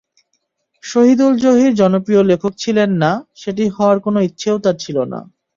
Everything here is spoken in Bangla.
শহীদুল জহির জনপ্রিয় লেখক ছিলেন না, সেটি হওয়ার কোনো ইচ্ছেও তাঁর ছিল না।